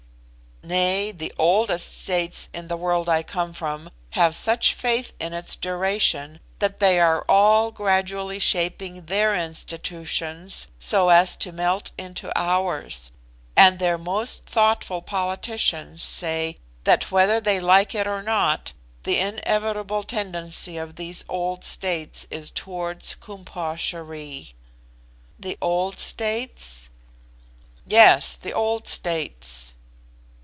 "Nay, the oldest states in the world I come from, have such faith in its duration, that they are all gradually shaping their institutions so as to melt into ours, and their most thoughtful politicians say that, whether they like it or not, the inevitable tendency of these old states is towards Koom Posh erie." "The old states?" "Yes, the old states."